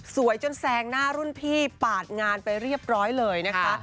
จนแซงหน้ารุ่นพี่ปาดงานไปเรียบร้อยเลยนะคะ